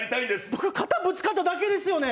僕、肩ぶつかっただけですよね。